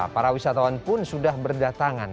para wisatawan pun sudah berdatangan